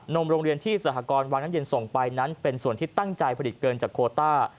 มโรงเรียนที่สหกรวางน้ำเย็นส่งไปนั้นเป็นส่วนที่ตั้งใจผลิตเกินจากโคต้า